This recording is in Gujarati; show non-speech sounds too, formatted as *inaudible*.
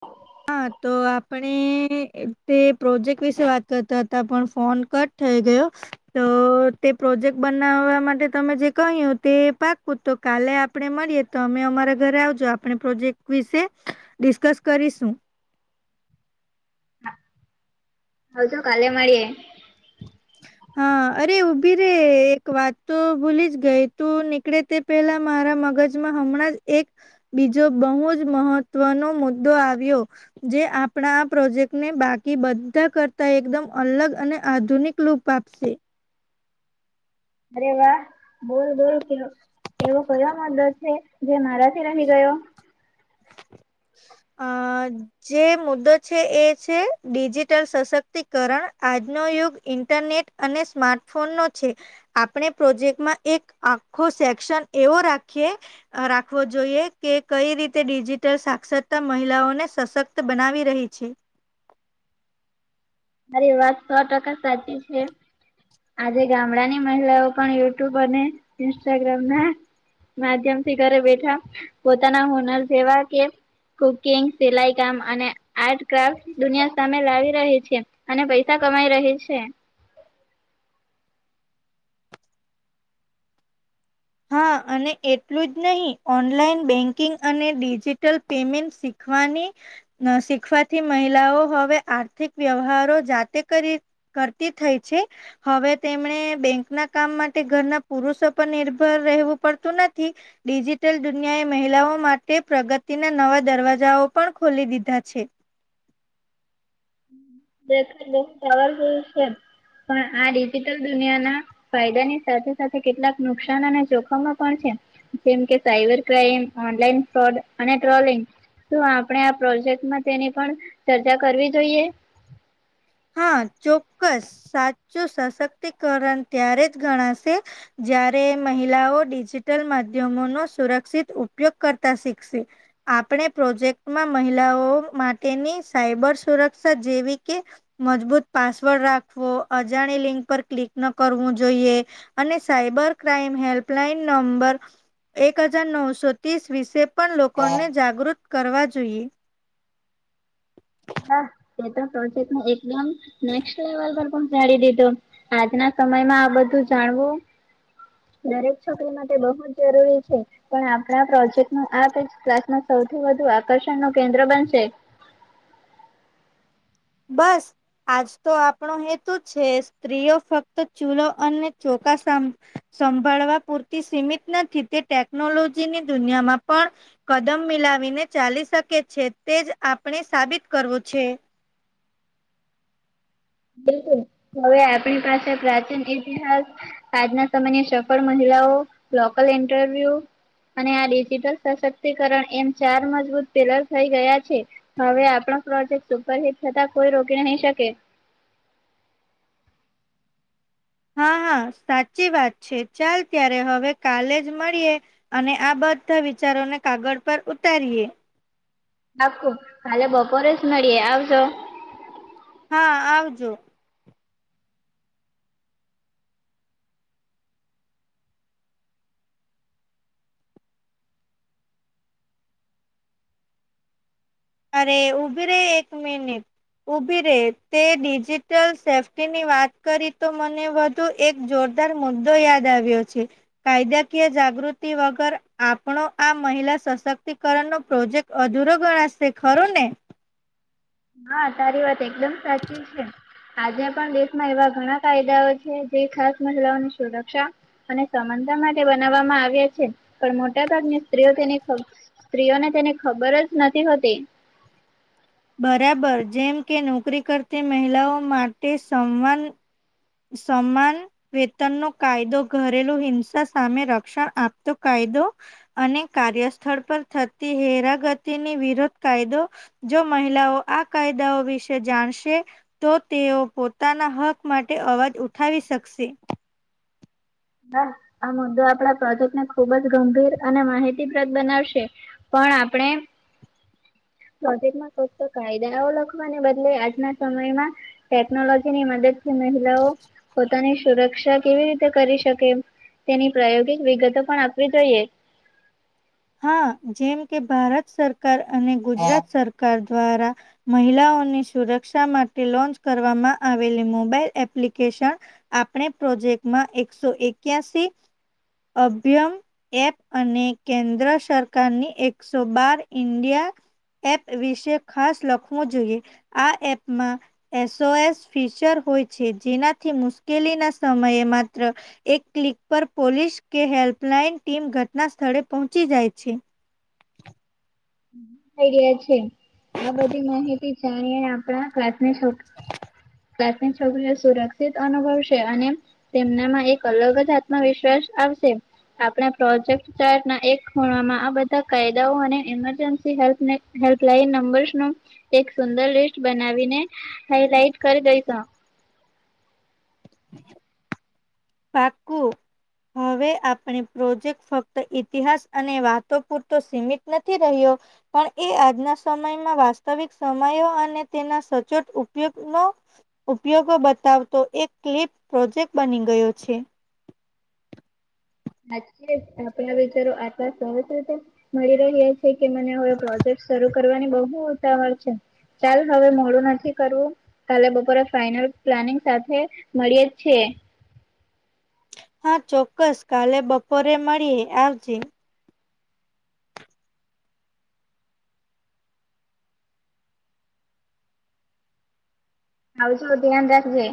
હ *unintelligible* હા તો આપણે તે પ્રોજેક્ટ વિશે વાત કરતા હતા પણ ફોન કટ- થઈ ગયો- તો તે પ્રોજેક્ટ બનાવવા માટે તમે જે કહ્યું તે પાક પુતક. કાલે આપે મળીએ તો અમે અમારા ઘરે આવજો આપણે પ્રોજેક્ટ વિશે. ડિસ્કસ કરીશું. આવ તો કાલે મળીએે. હ. *unintelligible* હા અરે ઊભી રે એક વાત તો ભૂલી જ ગઈ તું નીકળે તે. પેલા મારા મગજમાં હમણાં જ એક. બીજો બહુ જ મહત્વનો મુદ્દો આવ્યો. જે આપણા આ પ્રોજેક્ટ ને બાકી બધા કરતા એકદમ અલગ અને. આધુનિક લૂપ આપતું. અરે વાહ બોલ બોલ કે એવો કયો મદ્દો છે. જે મારા- રહી ગયો. અ... જે મુદ્દો છે એ છે ડિજિટલ સશક્તિકરણ આજનો યુગ ઇન્ટરનેટ. અને સ્માર્ટ ફોન નો છે. આપણે પ્રોજેક્ટમાં એક આખો સેક્શન એવો રાખીએ. રાખવો જોઈએ કે કઈ રીતે ડિજિટલ. સાક્ષરતા મહિલાઓને સશક્ત બનાવી રહી છે. મારી વાત સો ટકા સાચી છે. આજે ગામડા ની મહિલાઓ પણ યુટ્યુબ અને ઇન્સ્ટાગ્રામ ના. માધ્યમથી ઘરે બેઠા પોતાના હોનર જેવા કે. કુકિંગ સિલાઈ કામ અને આર્ટ ક્રાફ્ટ દુનિયા સામે લાવી રહી છે. અને પૈસા કમાઈ ર છે. હા *inaudible* અને એટલું જ નહીં ઓનલાઈન બેંકિંગ અને ડિજિટલ પેમેન્ટ શીખવાની. શીખવાથી મહિલાઓ હવે આર્થિક વ્યવહારો જાતે કરી. કરતી થઈ છે હવે તેમણે બેંક ના કામ માટે ઘરના પુરુષો પણ નિભ. રહેવું પડતું નથી. ડિજિટલ દુનિયાએ મહિલાઓ માટે પ્રગતિના નવા દરવાજાઓ પણ ખોલી દીધા છે. વારયું છે પણ આ ડિજિટલ દુનિયા ના. ફાયદા ની સાથે સાથે કેટલાક નુકસાન અને જોખમો પણ છે. જેમ કે સાયબર ક્રાઈમ ઓનલાઈન ફ્રોડ અને ટ્રોલિંગ. તો આપણે આ પ્રોજેક્ટમાં તેની પણ ચર્ચા કરવી જોઈએ. હા ચોક્કસ સાચું સશક્તિકરણ ત્યારે જ ગણાશે. જ્યારે મહિલાઓ ડિજિટલ માધ્યમોનોો સુરક્ષિત ઉપયોગ કરતા શીખશે- આપણે પ્રોજેક્ટમાં મહિલાઓ માટેની સાયબર સુરક્ષા જેવી કે- મજબૂત પાસવર્ડ રાખવો અજાણી લિંક પર ક્લિક ન કરવું જોઈએ- અને સાયબર ક્રાઈમ હેલ્પલાઇન નંબર. એક હજાર નવસો ત્રીસ વિશે પણ લોકોને જાગૃત કરવા જોઈએ. હા એ તો પ્રોજેક્ટ એકદમ નેક્ લેવલ પર પણ જાડી દીધો. આજના સમયમાં આ બધું જાણવું દરેક છોકરી માટે બહુ જ જરૂરી છે. પણ આપણા પ્રોજેક્ટ નું આ ક્લાસમાં સૌથી વધુ આકર્ષણ નું કેન્દ્ર બનશે. બસ. આજ તો આપણો હેતુ છે સ્ત્રીઓ ફક્ત ચૂલો અને ચોકા સા સંભળવા પૂરતી સીમિત નથી તે ટેકનોલોજીની દુનિયામાં પણ. કદમ મિલાવીને ચાલી શકે છે તે જ આપણે સાબિત કરવું છે. બિલકુલ હવે આપણી પાસે પ્રાચીન ઇતિહાસ આજના સમયની સફળ મહિલાઓ લોકલ ઇન્ટરવ્યુ અને આ ડિજિટલ સશક્તિકરણ એમ ચાર મજબૂત પેલર થઈ ગયા છે. હવે આપણો પ્રોજેક્ટ સુપરહિટ થતાં કોઈ રોકી નહી શકે હા હા સાચી વાત છે ચાલ ત્યારે હવે કાલે જ મળીએ અને આ બધા વિચારોને કાગળ પર ઉતારીએ રાખું હાલે બપોરેસ મળએ આવજો હા આવ અરે ઉભી ર એક મિનિટ ઉભી રે તે ડિજિટલ સેફ્ટીની વાત કરી તો મને તો એક જોરદાર મુદ્દો યાદ આવ્યો છે. કાયદાકીય જાગૃતિ વગર આપણો આ મહિલા સશક્તિકરણનો પ્રોજેક્ટ અધૂરો ગણશે ખર ને હા તારી વાત એકદમ સાચી છે. આજે પણ દેશમાં એવા ઘણા કાયદાઓ છે જે ખાસ મહિલાઓની સુરક્ષા અને સમનતા માટે બનાવવામાં આવ્યા છે. પણ મોટા ભાગની સ્ત્રીઓ તેની સ્ત્રીઓને તેને ખબર જ નથી હોતી બરાબર જેમ કે નોકરી કરતી મહિલાઓ માટે સંવાન સમન વેતન નો કાયદો ઘરેલુ હિંસા સામે રક્ષણ આપતો કાયદો અને કાર્યસ્થળ પર થતી હેરાગતિની વિરોધ કાયદો જો મહિલાઓ આ કાયદાઓ વિશે જાણશે તો તેઓ પોતાના હક માટે અવાજ ઉઠાવી શકશે બસ આ મુદ્દો આપણા પ્રોજેક્ટ ને ખુબ જ ગંભીર અને માહિતીપ્રદ બનાવશે પણ આપણે પ્રોજેક્ટમાં ફક્ત કાયદાઓ લખવાને બદલે આજના સમયમાં ટેકનોલોજી ની મદદ થી મહિલાઓ પોતાની સુરક્ષા કેવી રીતે કરી શક કે તેની પ્રાયોગિક વિગતો પણ આપવી જોઈએ હા જેમ કે ભારત સરકાર અને ગુજરાત સરકાર દ્વારા મહિલાઓની સુરક્ષા માટે લોન્ચ કરવામાં આવેલી મોબાઈલ એપ્લિકેશન આપણે પ્રોજેક્ટમાં એકસો એક્યાસી અભ્યમ એપ અને કેન્દ્ર સરકારની એકસો બાર ઇન્ડિયા એપ વિશે ખાસ લખવું જોઈએ આ એપમાં એ સો એસ ફિશર હોય છે જેનાથી મુશ્કેલી ના સમયે માત્ર એક ક્લિક પર પોલીસ કે હેલ્પલાઈન ટીમ ઘટના સ્થળે પહોંચી જાય છે. ઈ રહયા છે આ બધી માહિતી જાણીએ આપણા ક્લાસની છોક ક્લાસની છોકરીઓ સુરક્ષિત અનુભવશે અને તેમનામાં એક અલગ જ આત્મવિશ્વાસ આવશે આપણા પ્રોજેક્ટ ચાર એક ખૂણમાં આ બધા કાયદાઓ અને એમ *unintelligible* એક સુંર લિસ્ટ બનાવીને હાઈલાઈટ કરી દઈશ પાકું હવે આપણી પ્રોજેક્ટ ફક્ત ઈતિહાસ અને વાતો પૂરતો સીમિત નથી રહ્યો પણ એ આજના સમયમાં વાસ્તવિક સમયો અને તેના સચોટ ઉપયોગનો ઉપયોગો બતાવતો એક ક્લિપ પ્રોજેક્ટ બની ગયો છે હાચે આપડા વિચારો આટલા સરજ રીતે મળી રહ્યા કછે તો મને હવે પ્રોજેક્ટ શરૂ કરવાની બહુ ઉતાવળ છે ચાલ હવે મોડું નથી કરવું કાલે બપોરે ફાઈનલ પ્લાનિંગ સાથે મળીએ જ છે હા ચોક્કસ કાલે બપોરે મળીએે આવજે આવજો ધ્યાન રાખજે